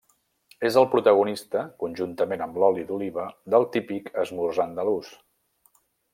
És el protagonista conjuntament amb l'oli d'oliva del típic esmorzar andalús.